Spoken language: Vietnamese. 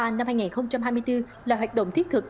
năm hai nghìn hai mươi bốn là hoạt động thiết thực